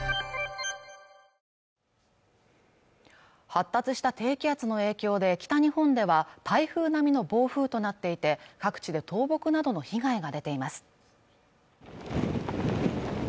発達した低気圧の影響で北日本では台風並みの暴風となっていて各地で倒木などの被害が出ています